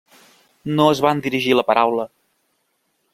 No es van dirigir la paraula.